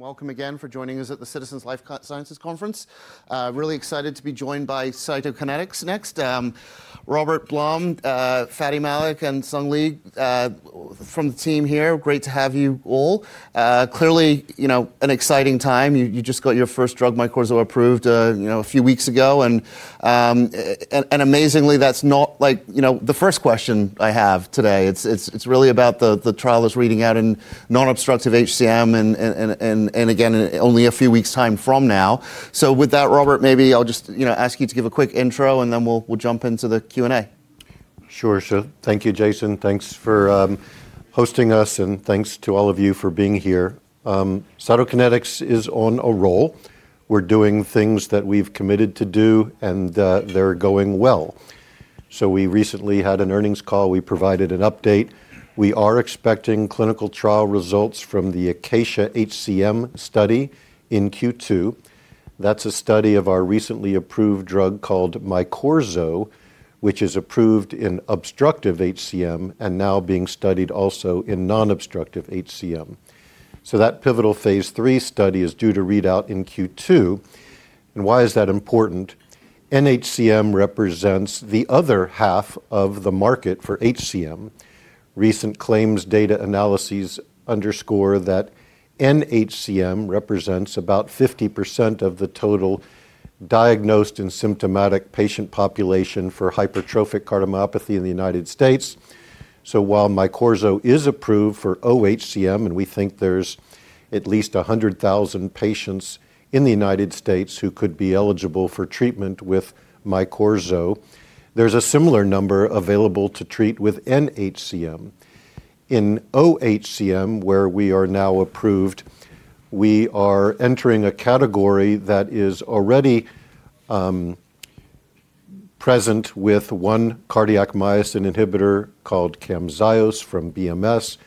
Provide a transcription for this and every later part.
Welcome again for joining us at the Citi's Life Sciences Conference. Really excited to be joined by Cytokinetics next. Robert Blum, Fady Malik, and Sung Lee from the team here, great to have you all. Clearly, you know, an exciting time. You just got your first drug, Myqorzo, approved, you know, a few weeks ago. Amazingly that's not like, you know, the first question I have today. It's really about the trial that's reading out in non-obstructive HCM and again, in only a few weeks' time from now. With that, Robert, maybe I'll just, you know, ask you to give a quick intro, and then we'll jump into the Q&A. Sure. Thank you, Jason. Thanks for hosting us, and thanks to all of you for being here. Cytokinetics is on a roll. We're doing things that we've committed to do, and they're going well. We recently had an earnings call. We provided an update. We are expecting clinical trial results from the ACACIA-HCM study in Q2. That's a study of our recently approved drug called Myqorzo, which is approved in obstructive HCM and now being studied also in non-obstructive HCM. That pivotal Phase III study is due to read out in Q2. Why is that important? NHCM represents the other half of the market for HCM. Recent claims data analyses underscore that NHCM represents about 50% of the total diagnosed and symptomatic patient population for hypertrophic cardiomyopathy in the United States. While Myqorzo is approved for OHCM, and we think there's at least 100,000 patients in the United States who could be eligible for treatment with Myqorzo, there's a similar number available to treat with NHCM. In OHCM, where we are now approved, we are entering a category that is already present with one cardiac myosin inhibitor called Camzyos from BMS.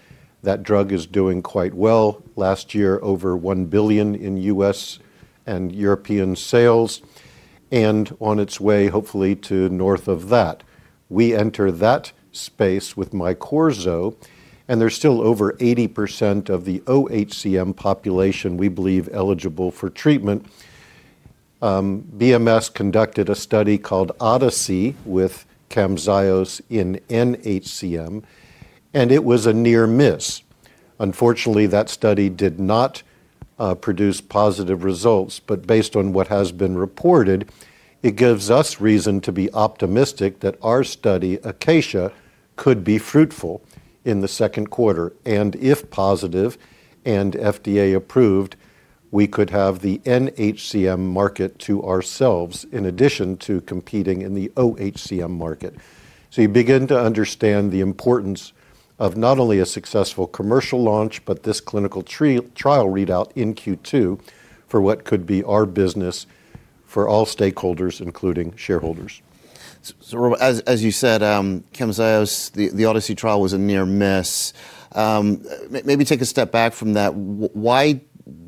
That drug is doing quite well. Last year, over $1 billion in US and European sales and on its way, hopefully, to north of that. We enter that space with Myqorzo, and there's still over 80% of the OHCM population we believe eligible for treatment. BMS conducted a study called ODYSSEY-HCM with Camzyos in NHCM, and it was a near miss. Unfortunately, that study did not produce positive results, but based on what has been reported, it gives us reason to be optimistic that our study, ACACIA, could be fruitful in the Q2. If positive and FDA-approved, we could have the NHCM market to ourselves in addition to competing in the OHCM market. You begin to understand the importance of not only a successful commercial launch, but this clinical trial readout in Q2 for what could be our business for all stakeholders, including shareholders. Rob, as you said, Camzyos, the ODYSSEY-HCM trial was a near miss. Maybe take a step back from that. Why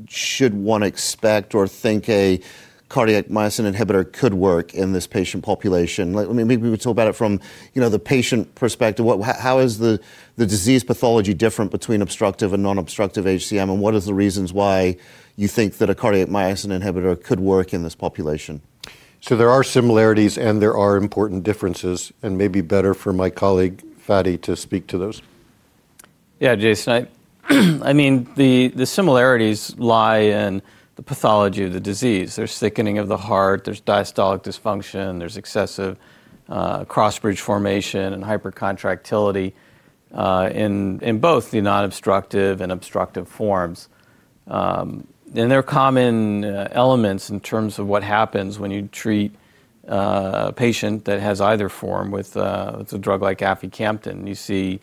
should one expect or think a cardiac myosin inhibitor could work in this patient population? Maybe we could talk about it from, you know, the patient perspective. How is the disease pathology different between obstructive and non-obstructive HCM, and what is the reasons why you think that a cardiac myosin inhibitor could work in this population? There are similarities, and there are important differences, and maybe better for my colleague, Fady, to speak to those. Yeah, Jason. I mean, the similarities lie in the pathology of the disease. There's thickening of the heart, there's diastolic dysfunction, there's excessive cross-bridge formation and hypercontractility in both the non-obstructive and obstructive forms. There are common elements in terms of what happens when you treat a patient that has either form with a drug like aficamten. You see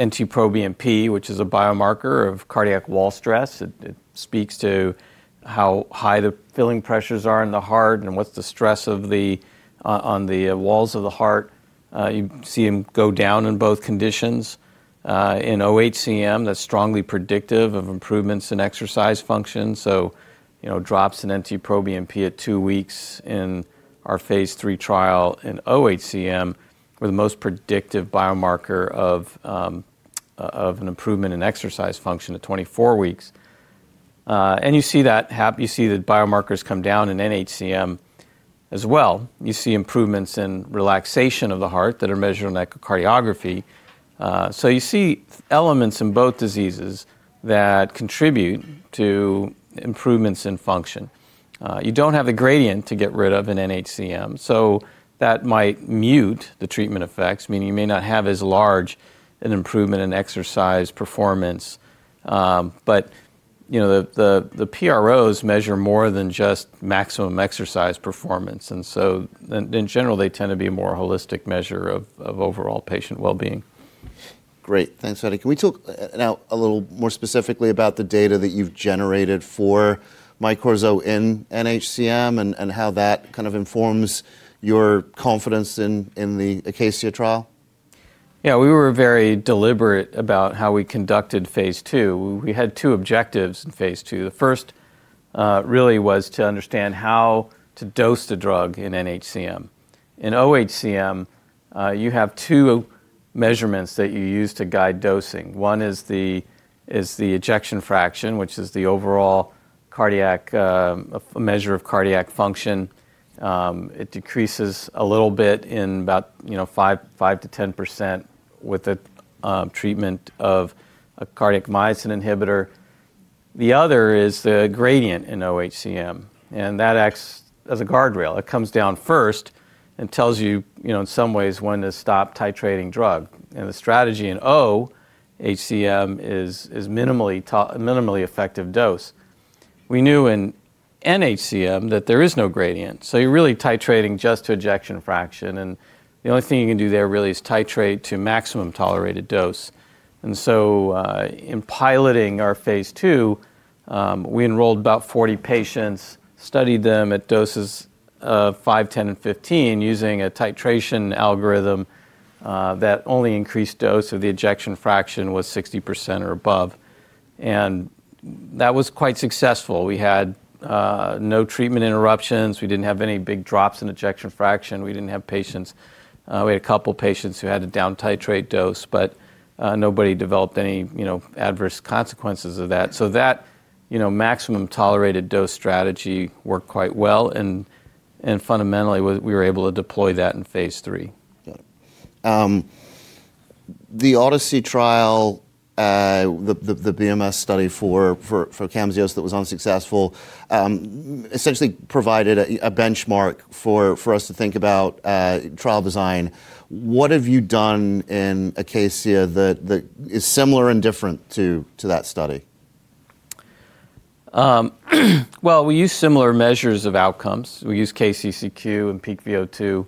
NT-proBNP, which is a biomarker of cardiac wall stress. It speaks to how high the filling pressures are in the heart and what's the stress on the walls of the heart. You see them go down in both conditions. In OHCM, that's strongly predictive of improvements in exercise function. You know, drops in NT-proBNP at two weeks in our Phase III trial in OHCM were the most predictive biomarker of an improvement in exercise function at 24 weeks. You see the biomarkers come down in NHCM as well. You see improvements in relaxation of the heart that are measured on echocardiography. You see elements in both diseases that contribute to improvements in function. You don't have the gradient to get rid of in NHCM, so that might mute the treatment effects, meaning you may not have as large an improvement in exercise performance. You know, the PROs measure more than just maximum exercise performance. In general, they tend to be a more holistic measure of overall patient wellbeing. Great. Thanks, Fady. Can we talk now a little more specifically about the data that you've generated for Myqorzo in NHCM and how that kind of informs your confidence in the ACACIA trial? Yeah. We were very deliberate about how we conducted phase II. We had two objectives in phase II. The first, really was to understand how to dose the drug in NHCM. In OHCM, you have two measurements that you use to guide dosing. One is the ejection fraction, which is the overall cardiac, a measure of cardiac function. It decreases a little bit in about, you know, 5%-10% with the treatment of a cardiac myosin inhibitor. The other is the gradient in OHCM, and that acts as a guardrail. It comes down first and tells you know, in some ways when to stop titrating drug. The strategy in OHCM is minimally effective dose. We knew in NHCM that there is no gradient, so you're really titrating just to ejection fraction, and the only thing you can do there really is titrate to maximum tolerated dose. In piloting our phase II, we enrolled about 40 patients, studied them at doses of five, 10, and 15 using a titration algorithm that only increased dose if the ejection fraction was 60% or above. That was quite successful. We had no treatment interruptions. We didn't have any big drops in ejection fraction. We didn't have patients. We had a couple patients who had to down titrate dose, but nobody developed any, you know, adverse consequences of that. That, you know, maximum tolerated dose strategy worked quite well and fundamentally was. We were able to deploy that in phase three. Got it. The ODYSSEY-HCM trial, the BMS study for Camzyos that was unsuccessful, essentially provided a benchmark for us to think about trial design. What have you done in ACACIA that is similar and different to that study? Well, we used similar measures of outcomes. We used KCCQ and peak VO2.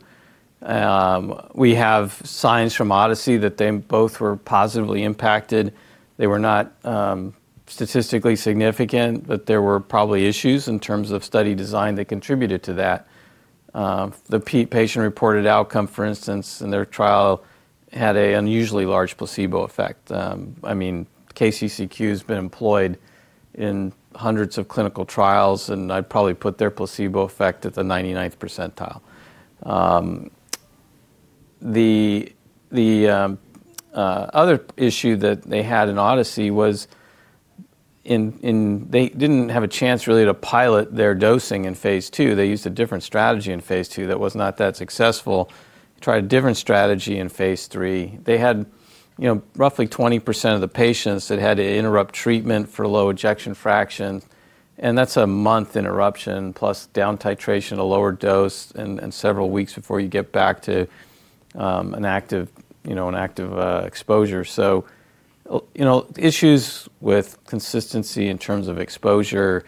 We have signs from ODYSSEY-HCM that they both were positively impacted. They were not statistically significant, but there were probably issues in terms of study design that contributed to that. The patient-reported outcome, for instance, in their trial had an unusually large placebo effect. I mean, KCCQ's been employed in hundreds of clinical trials, and I'd probably put their placebo effect at the ninety-ninth percentile. The other issue that they had in ODYSSEY-HCM was they didn't have a chance really to pilot their dosing in phase II. They used a different strategy in phase II that was not that successful. Tried a different strategy in phase three. They had, you know, roughly 20% of the patients that had to interrupt treatment for low ejection fraction, and that's a month interruption plus down titration to lower dose and several weeks before you get back to an active exposure. You know, issues with consistency in terms of exposure,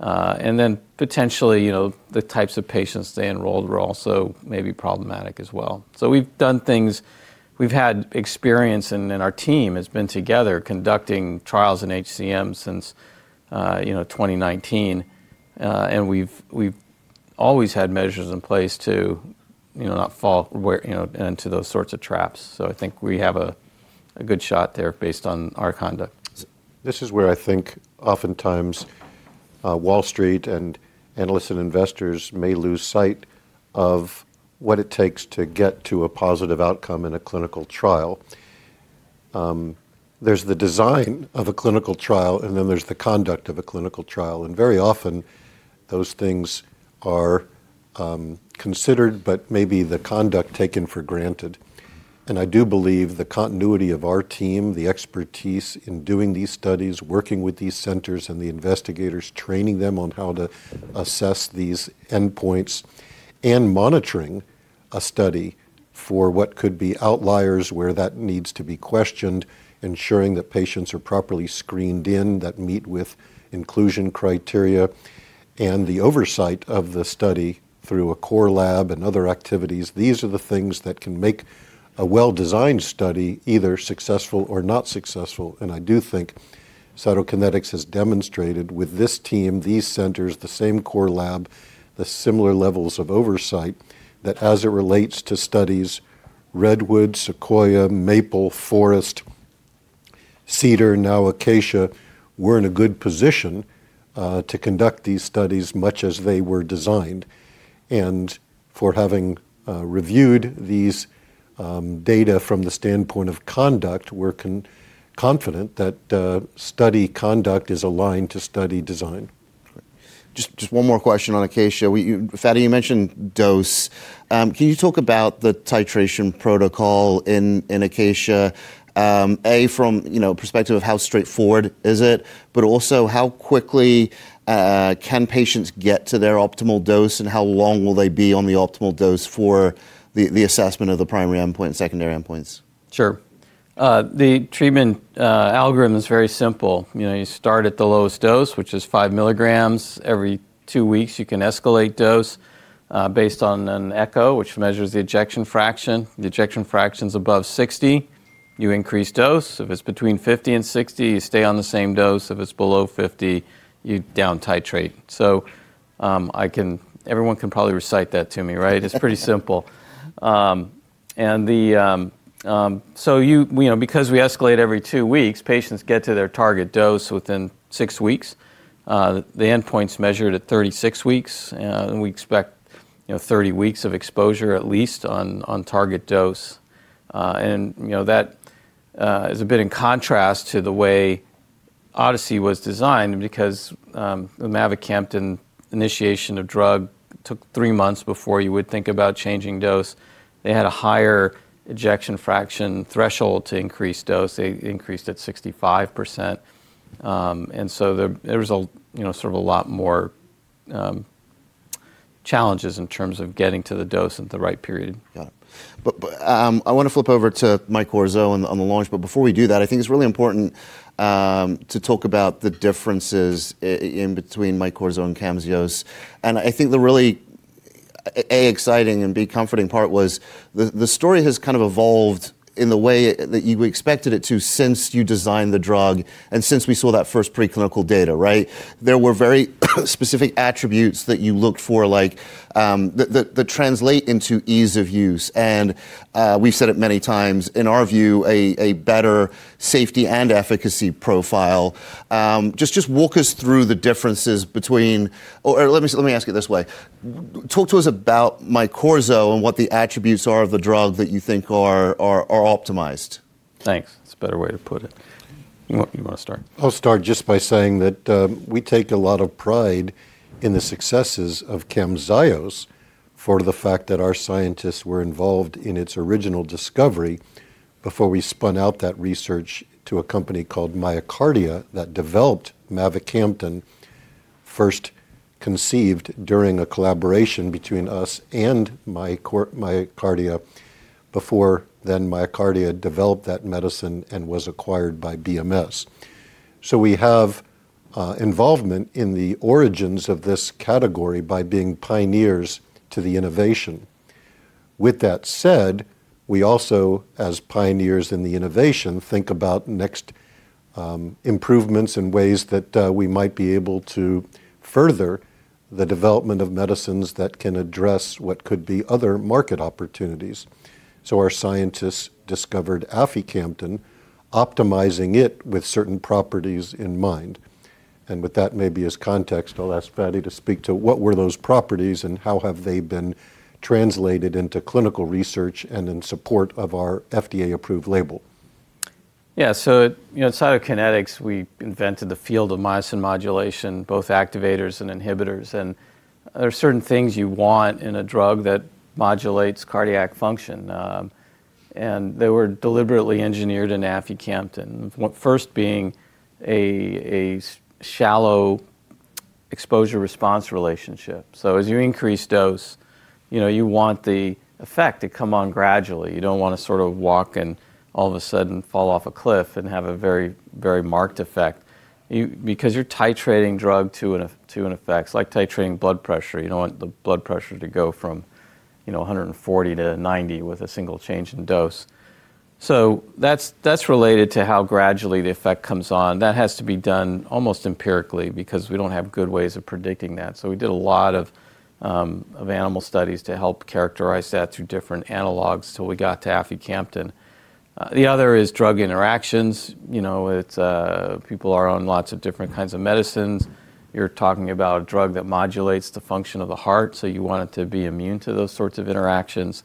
and then potentially, you know, the types of patients they enrolled were also maybe problematic as well. We've done things. We've had experience and our team has been together conducting trials in HCM since 2019. We've always had measures in place to not fall into those sorts of traps. I think we have a good shot there based on our conduct. This is where I think oftentimes, Wall Street and analysts and investors may lose sight of what it takes to get to a positive outcome in a clinical trial. There's the design of a clinical trial, and then there's the conduct of a clinical trial. Very often, those things are considered but maybe the conduct taken for granted. I do believe the continuity of our team, the expertise in doing these studies, working with these centers and the investigators, training them on how to assess these endpoints and monitoring a study for what could be outliers, where that needs to be questioned, ensuring that patients are properly screened in that meet with inclusion criteria and the oversight of the study through a core lab and other activities. These are the things that can make a well-designed study either successful or not successful. I do think Cytokinetics has demonstrated with this team, these centers, the same core lab, the similar levels of oversight, that as it relates to studies REDWOOD-HCM, SEQUOIA-HCM, MAPLE-HCM, FOREST-HCM, CEDAR-HCM, now ACACIA, we're in a good position to conduct these studies much as they were designed. For having reviewed these data from the standpoint of conduct, we're confident that study conduct is aligned to study design. Just one more question on ACACIA. Fady, you mentioned dose. Can you talk about the titration protocol in ACACIA from you know perspective of how straightforward is it, but also how quickly can patients get to their optimal dose, and how long will they be on the optimal dose for the assessment of the primary endpoint and secondary endpoints? Sure. The treatment algorithm is very simple. You know, you start at the lowest dose, which is 5 milligrams every two weeks. You can escalate dose based on an echo, which measures the ejection fraction. The ejection fraction's above 60, you increase dose. If it's between 50 and 60, you stay on the same dose. If it's below 50, you down titrate. Everyone can probably recite that to me, right? It's pretty simple. You know because we escalate every two weeks, patients get to their target dose within six weeks. The endpoint's measured at 36 weeks, and we expect, you know, 30 weeks of exposure at least on target dose. That is a bit in contrast to the way ODYSSEY-HCM was designed because mavacamten initiation of drug took three months before you would think about changing dose. They had a higher ejection fraction threshold to increase dose. They increased at 65%. There was a you know sort of a lot more challenges in terms of getting to the dose at the right period. Got it. I want to flip over to Myqorzo on the launch. Before we do that, I think it's really important to talk about the differences in between Myqorzo and Camzyos. I think the really exciting and comforting part was the story has kind of evolved in the way that you expected it to since you designed the drug and since we saw that first preclinical data, right? There were very specific attributes that you looked for, like, that translate into ease of use, and we've said it many times, in our view, a better safety and efficacy profile. Just walk us through the differences between. Or let me ask it this way. Talk to us about Myqorzo and what the attributes are of the drug that you think are optimized. Thanks. That's a better way to put it. You want to start? I'll start just by saying that, we take a lot of pride in the successes of Camzyos for the fact that our scientists were involved in its original discovery before we spun out that research to a company called MyoKardia that developed mavacamten, first conceived during a collaboration between us and MyoKardia before then MyoKardia developed that medicine and was acquired by BMS. We have involvement in the origins of this category by being pioneers to the innovation. With that said, we also, as pioneers in the innovation, think about next improvements and ways that we might be able to further the development of medicines that can address what could be other market opportunities. Our scientists discovered aficamten, optimizing it with certain properties in mind. With that maybe as context, I'll ask Fady to speak to what were those properties and how have they been translated into clinical research and in support of our FDA-approved label. Yeah, you know, at Cytokinetics, we invented the field of myosin modulation, both activators and inhibitors. There are certain things you want in a drug that modulates cardiac function, and they were deliberately engineered in aficamten. First being a shallow exposure-response relationship. As you increase dose, you know, you want the effect to come on gradually. You don't want to sort of walk and all of a sudden fall off a cliff and have a very, very marked effect. Because you're titrating drug to an effect. It's like titrating blood pressure. You don't want the blood pressure to go from, you know, 140 to 90 with a single change in dose. That's related to how gradually the effect comes on. That has to be done almost empirically because we don't have good ways of predicting that. We did a lot of animal studies to help characterize that through different analogs till we got to aficamten. The other is drug interactions. You know, it's. People are on lots of different kinds of medicines. You're talking about a drug that modulates the function of the heart, so you want it to be immune to those sorts of interactions.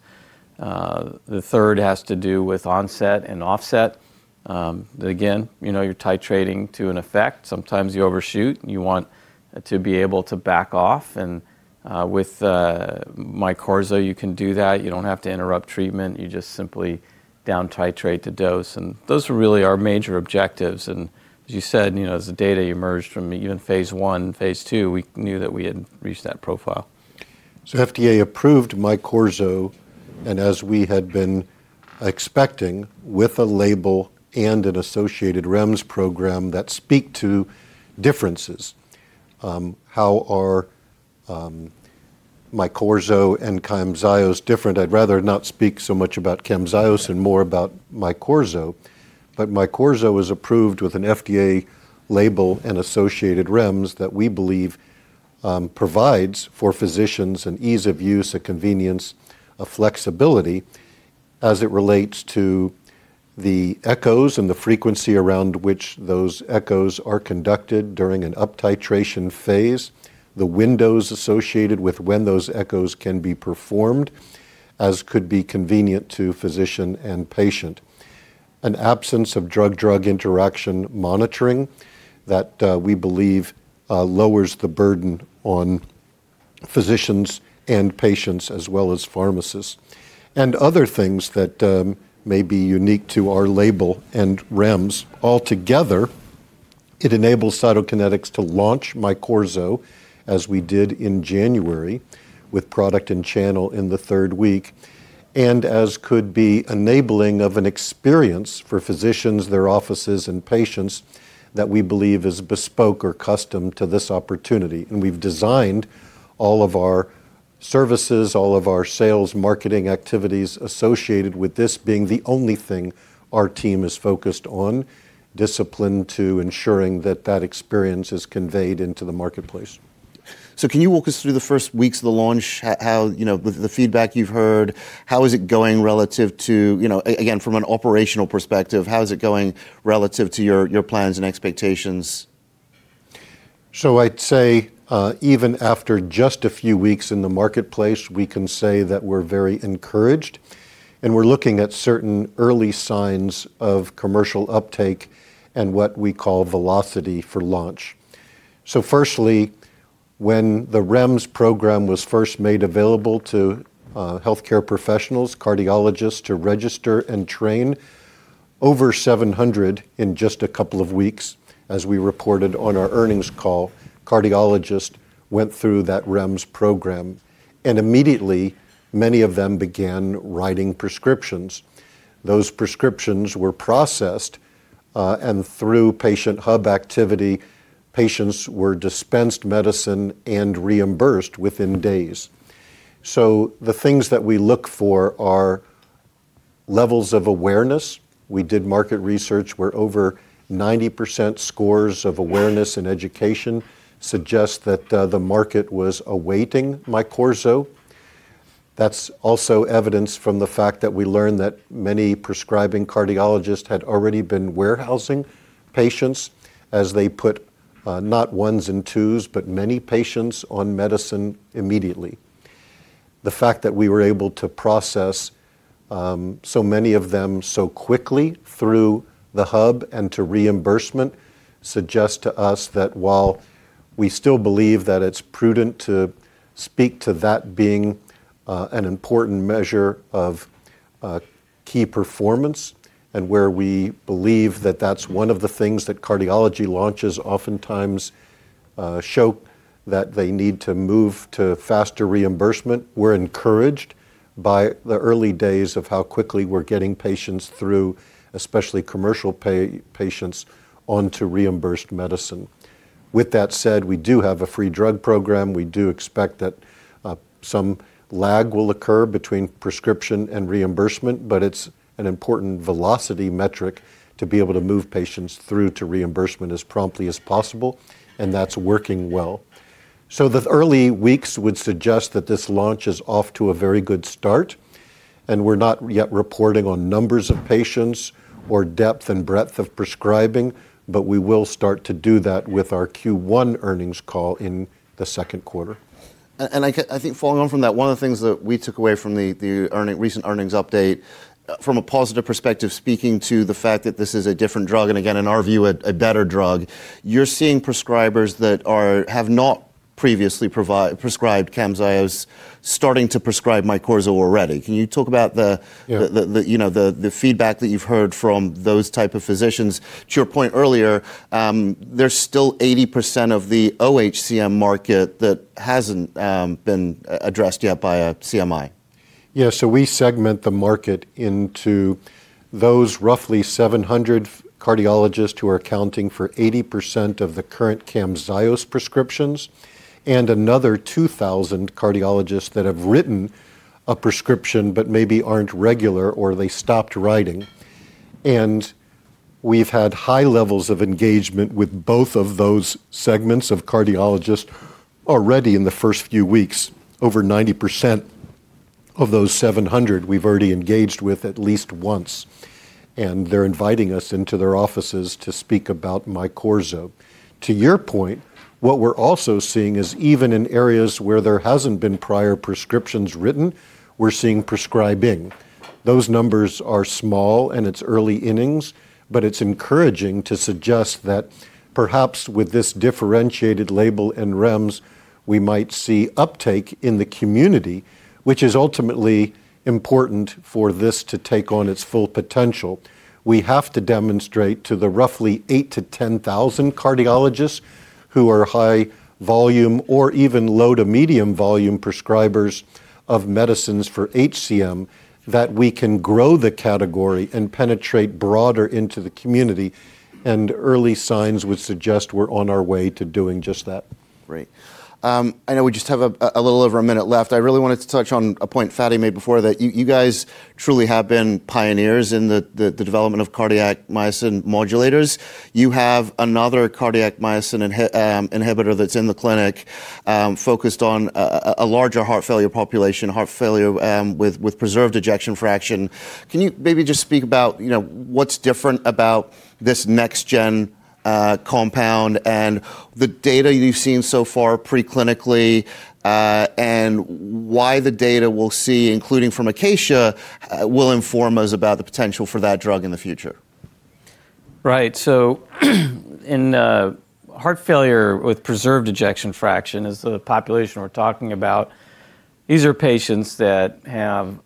The third has to do with onset and offset. Again, you know, you're titrating to an effect. Sometimes you overshoot and you want to be able to back off and with Myqorzo, you can do that. You don't have to interrupt treatment. You just simply down titrate the dose. Those were really our major objectives. As you said, you know, as the data emerged from even phase I and phase II, we knew that we had reached that profile. FDA approved Myqorzo, and as we had been expecting, with a label and an associated REMS program that speak to differences. How are Myqorzo and Camzyos different? I'd rather not speak so much about Camzyos and more about Myqorzo. Myqorzo was approved with an FDA label and associated REMS that we believe provides for physicians an ease of use, a convenience, a flexibility as it relates to the echoes and the frequency around which those echoes are conducted during an uptitration phase, the windows associated with when those echoes can be performed, as could be convenient to physician and patient. An absence of drug-drug interaction monitoring that we believe lowers the burden on physicians and patients as well as pharmacists. Other things that may be unique to our label and REMS. Altogether, it enables Cytokinetics to launch Myqorzo, as we did in January, with product and channel in the third week, and as well as enabling of an experience for physicians, their offices, and patients that we believe is bespoke or custom to this opportunity. We've designed all of our services, all of our sales, marketing activities associated with this being the only thing our team is focused on, disciplined to ensuring that that experience is conveyed into the marketplace. Can you walk us through the first weeks of the launch? How, you know, with the feedback you've heard, how is it going relative to, you know, again, from an operational perspective, how is it going relative to your plans and expectations? I'd say, even after just a few weeks in the marketplace, we can say that we're very encouraged, and we're looking at certain early signs of commercial uptake and what we call velocity for launch. Firstly, when the REMS program was first made available to, healthcare professionals, cardiologists to register and train, over 700 in just a couple of weeks, as we reported on our earnings call, cardiologists went through that REMS program, and immediately many of them began writing prescriptions. Those prescriptions were processed, and through patient hub activity, patients were dispensed medicine and reimbursed within days. The things that we look for are levels of awareness. We did market research where over 90% scores of awareness and education suggest that, the market was awaiting Myqorzo. That's also evidence from the fact that we learned that many prescribing cardiologists had already been warehousing patients as they put, not ones and twos, but many patients on medicine immediately. The fact that we were able to process so many of them so quickly through the hub and to reimbursement suggests to us that while we still believe that it's prudent to speak to that being an important measure of key performance and where we believe that that's one of the things that cardiology launches oftentimes show that they need to move to faster reimbursement. We're encouraged by the early days of how quickly we're getting patients through, especially commercial pay patients, onto reimbursed medicine. With that said, we do have a free drug program. We do expect that some lag will occur between prescription and reimbursement, but it's an important velocity metric to be able to move patients through to reimbursement as promptly as possible, and that's working well. The early weeks would suggest that this launch is off to a very good start, and we're not yet reporting on numbers of patients or depth and breadth of prescribing, but we will start to do that with our Q1 earnings call in the Q2. I think following on from that, one of the things that we took away from the recent earnings update, from a positive perspective, speaking to the fact that this is a different drug, and again, in our view, a better drug, you're seeing prescribers that have not previously prescribed Camzyos starting to prescribe Myqorzo already. Can you talk about the Yeah you know, the feedback that you've heard from those type of physicians? To your point earlier, there's still 80% of the OHCM market that hasn't been addressed yet by CMI. Yeah. We segment the market into those roughly 700 cardiologists who are accounting for 80% of the current Camzyos prescriptions and another 2,000 cardiologists that have written a prescription but maybe aren't regular or they stopped writing. We've had high levels of engagement with both of those segments of cardiologists already in the first few weeks. Over 90% of those 700 we've already engaged with at least once, and they're inviting us into their offices to speak about Myqorzo. To your point, what we're also seeing is even in areas where there hasn't been prior prescriptions written, we're seeing prescribing. Those numbers are small, and it's early innings, but it's encouraging to suggest that perhaps with this differentiated label in REMS, we might see uptake in the community, which is ultimately important for this to take on its full potential. We have to demonstrate to the roughly 8,000-10,000 cardiologists who are high volume or even low to medium volume prescribers of medicines for HCM that we can grow the category and penetrate broader into the community, and early signs would suggest we're on our way to doing just that. Great. I know we just have a little over a minute left. I really wanted to touch on a point Fady made before, that you guys truly have been pioneers in the development of cardiac myosin modulators. You have another cardiac myosin inhibitor that's in the clinic, focused on a larger heart failure population with preserved ejection fraction. Can you maybe just speak about, you know, what's different about this next gen compound and the data you've seen so far preclinically, and why the data we'll see, including from ACACIA, will inform us about the potential for that drug in the future? Right. In heart failure with preserved ejection fraction is the population we're talking about. These are patients that have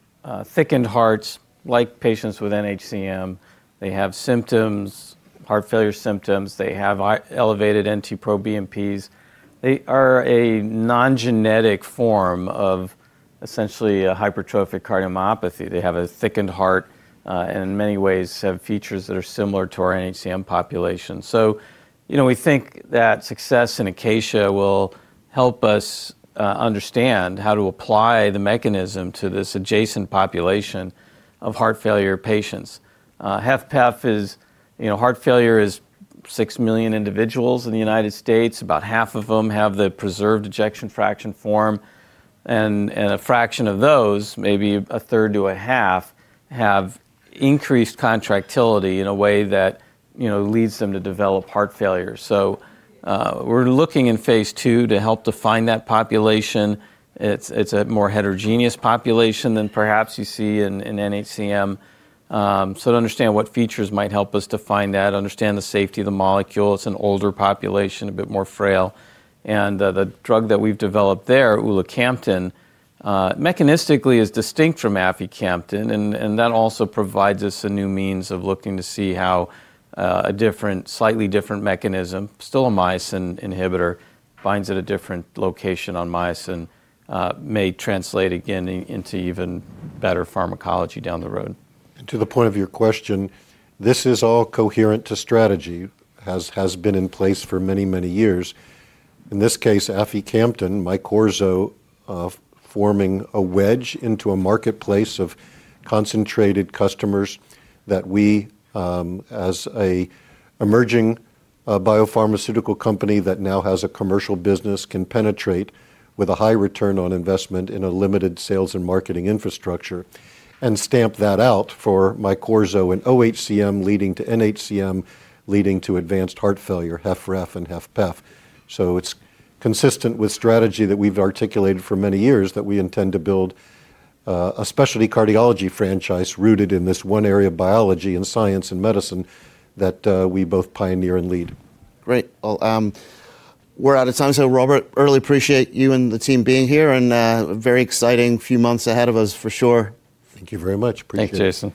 thickened hearts like patients with NHCM. They have symptoms, heart failure symptoms. They have elevated NT-proBNPs. They are a non-genetic form of essentially a hypertrophic cardiomyopathy. They have a thickened heart and in many ways have features that are similar to our NHCM population. You know, we think that success in ACACIA will help us understand how to apply the mechanism to this adjacent population of heart failure patients. HFpEF is. You know, heart failure is 6 million individuals in the United States, about half of them have the preserved ejection fraction form and a fraction of those, maybe a third to a half, have increased contractility in a way that, you know, leads them to develop heart failure. We're looking in phase II to help define that population. It's a more heterogeneous population than perhaps you see in NHCM. To understand what features might help us define that, understand the safety of the molecule. It's an older population, a bit more frail, and the drug that we've developed there, ulacamten, mechanistically is distinct from aficamten and that also provides us a new means of looking to see how a different, slightly different mechanism, still a myosin inhibitor, binds at a different location on myosin may translate again into even better pharmacology down the road. To the point of your question, this is all coherent to strategy, has been in place for many years. In this case, aficamten, Myqorzo, forming a wedge into a marketplace of concentrated customers that we, as an emerging biopharmaceutical company that now has a commercial business, can penetrate with a high return on investment in a limited sales and marketing infrastructure and stamp that out for Myqorzo and OHCM leading to NHCM leading to advanced heart failure, HFrEF and HFpEF. It's consistent with strategy that we've articulated for many years that we intend to build a specialty cardiology franchise rooted in this one area of biology and science and medicine that we both pioneer and lead. Great. Well, we're out of time, so Robert, really appreciate you and the team being here and, very exciting few months ahead of us for sure. Thank you very much. Appreciate it. Thank you, Jason.